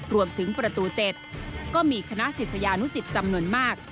รวมถึงประตู๗ก็มีคณะศิษยานุสิตจำนวนมาก